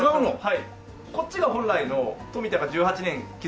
はい。